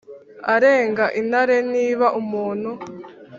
erega intare ntiba umuntu